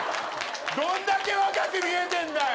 どんだけ若く見えてんだよ！